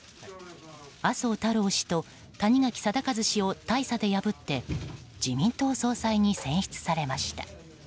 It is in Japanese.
麻生太郎氏と谷垣禎一氏を大差で破って自民党総裁に選出されました。